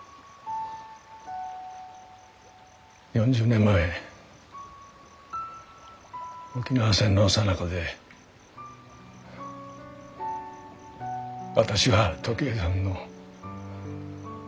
４０年前沖縄戦のさなかで私が時恵さんの。